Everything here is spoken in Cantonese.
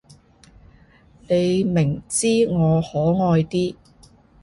你明知我可愛啲